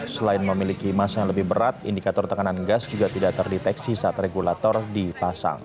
selain memiliki masa yang lebih berat indikator tekanan gas juga tidak terdeteksi saat regulator dipasang